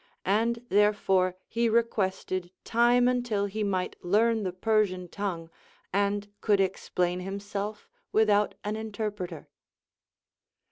And therefore he requested time until he might learn the Persian tongue, and could explain himself without an interpreter.